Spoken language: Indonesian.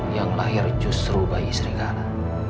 yang lahir justru bayi istri kala